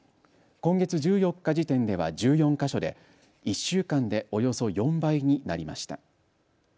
今月１４日時点では１４か所で１週間でおよそ４倍になりました。